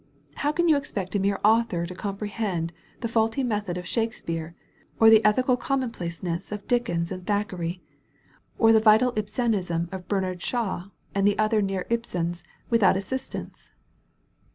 How can you expect a mere author to comprehend the faulty method of Shakespeare, or the ethical conmionplaceness of Dickens and Thackeray, or the vital Ibsenism of Bernard Shaw and the other near Ibsens, without assistance?"